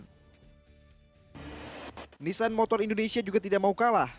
toyota astra motor indonesia juga tidak mau kalah